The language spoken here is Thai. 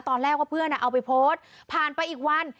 ตอนแรกว่าเพื่อนเอาไปโพสต์ผ่านไปอีกวัน